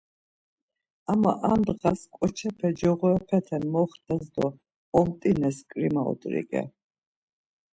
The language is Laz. Ama ar ndğas ǩoçepe coğorepete moxtes do omt̆ines ǩrima ot̆riǩe.